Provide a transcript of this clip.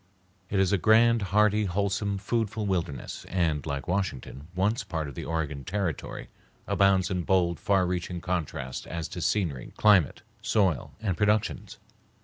It is a grand, hearty, wholesome, foodful wilderness and, like Washington, once a part of the Oregon Territory, abounds in bold, far reaching contrasts as to scenery, climate, soil, and productions.